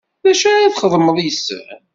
D acu ara txedmeḍ yes-sen.